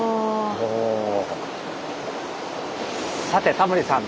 さてタモリさん。